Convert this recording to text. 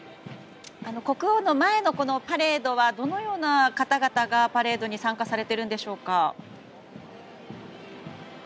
国王の前のパレードはどのような方々がパレードに参加されているんでしょうか。